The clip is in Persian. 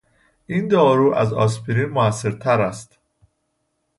این دارو از آسپرین موثرتر است.